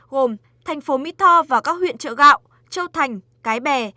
gồm thành phố mỹ tho và các huyện trợ gạo châu thành cái bè